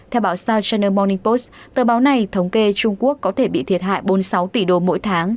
theo báo south china morning post tờ báo này thống kê trung quốc có thể bị thiệt hại bốn mươi sáu tỷ đô mỗi tháng